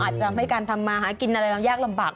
อาจจะทำให้การทำมาหากินอะไรเรายากลำบาก